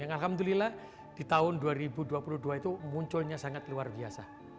yang alhamdulillah di tahun dua ribu dua puluh dua itu munculnya sangat luar biasa